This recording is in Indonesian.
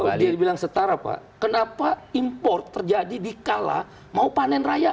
kalau dia dibilang setara pak kenapa impor terjadi dikala mau panen raya